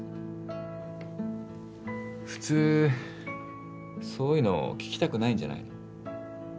普通そういうの聞きたくないんじゃないの？